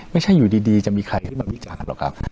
ไม่ใช่อยู่ดีจะมีใครขึ้นมาวิจารณ์หรอกครับ